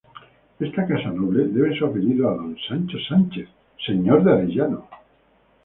Esta casa noble debe su apellido a don Sancho Sánchez, señor de Arellano.